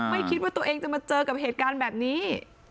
ไม่คิดว่าตัวเองจะมาเจอกับเหตุการณ์แบบนี้